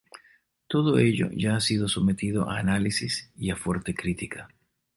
Todo ello ya ha sido sometido a análisis y a fuerte crítica.